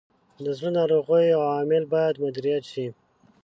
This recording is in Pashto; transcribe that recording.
د زړه ناروغیو عوامل باید مدیریت شي.